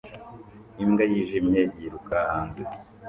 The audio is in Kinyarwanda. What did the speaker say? Imbwa yijimye yiruka hanze